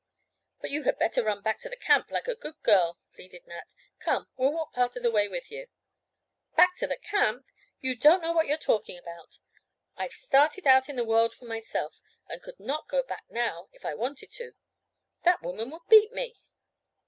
"But you had better run back to the camp like a good girl," pleaded Nat. "Come, we'll walk part of the way with you." "Back to the camp! You don't know what you're talking about. I've started out in the world for myself, and could not go back now if I wanted to. That woman would beat me."